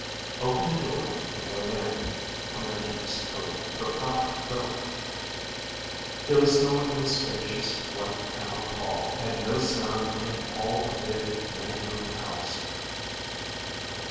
"Open the door and go in," commanded Mrs. Purdon from out her quilt. There was no one in the spacious, white paneled hall, and no sound in all the big, many roomed house.